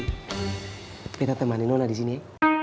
tapi tak temanin nona disini ya